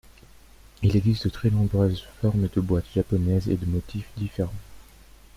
Il existe de très nombreuses formes de boites japonaise et de motifs diffèrent.